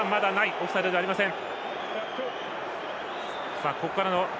オフサイドではありません。